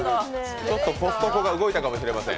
ちょっとコストコが動いたかもしれません。